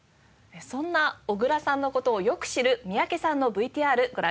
そんな小倉さんの事をよく知る三宅さんのＶＴＲご覧ください。